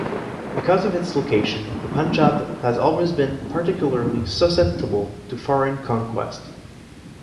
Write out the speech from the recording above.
Because of its location, the Panjab has always been particularly susceptible to foreign conquest.